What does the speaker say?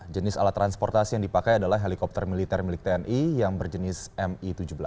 jenis alat transportasi yang dipakai adalah helikopter militer milik tni yang berjenis mi tujuh belas